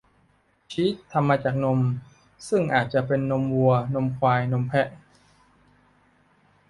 ชีส ทำมาจากนม ซึ่งอาจจะเป็นนมวัว นมควาย นมแพะ